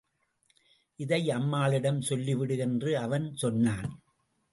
இதை அம்மாளிடம் சொல்லிவிடு என்று அவன் சொன்னான்.